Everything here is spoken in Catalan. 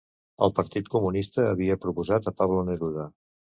El Partit Comunista havia proposat a Pablo Neruda.